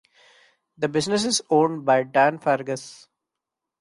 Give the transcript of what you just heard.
The business is owned by Dan Fergus.